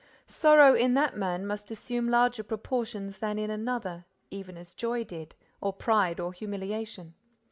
Sorrow in that man must assume larger proportions than in another, even as joy did, or pride, or humiliation.